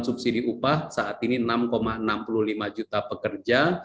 subsidi upah saat ini enam enam puluh lima juta pekerja